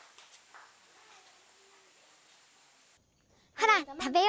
ほら食べよ。